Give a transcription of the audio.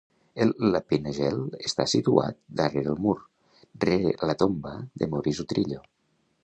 El Lapin Agile està situat darrere el mur, rere la tomba de Maurice Utrillo.